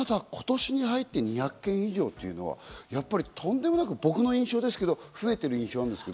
ただ今年に入って２００件以上というのは、とんでもなく、僕の印象ですけど、増えている印象があります。